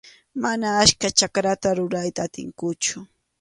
Mana achka chakrata rurayta atinkuchu.